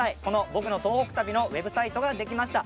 僕の東北旅のウェブサイトができました。